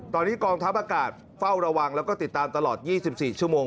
ตอนนี้กองทัพอากาศเฝ้าระวังแล้วก็ติดตามตลอด๒๔ชั่วโมง